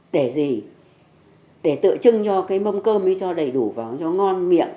để gì để tự trưng cho cái mâm cơm ấy cho đầy đủ vào cho ngon miệng